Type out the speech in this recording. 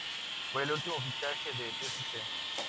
Fue el último fichaje del St.